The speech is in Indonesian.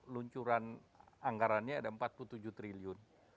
luncuran anggarannya ada empat puluh tujuh triliun